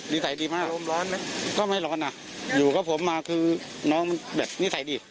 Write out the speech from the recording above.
สัยดีมากอารมณ์ร้อนไหมก็ไม่ร้อนอ่ะอยู่กับผมมาคือน้องมันแบบนิสัยดี